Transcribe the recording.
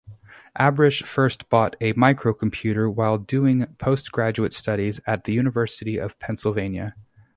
Abrash first bought a microcomputer while doing postgraduate studies at the University of Pennsylvania.